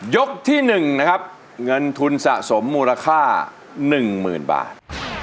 ที่๑นะครับเงินทุนสะสมมูลค่า๑๐๐๐บาท